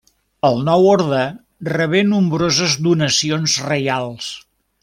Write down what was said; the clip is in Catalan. El nou orde rebé nombroses donacions reials.